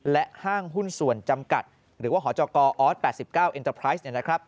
และห้างหุ้นส่วนจำกัดหรือว่าหจกออส๘๙เอ็นเตอร์ไพรส์